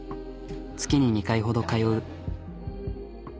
月に２回ほど通う。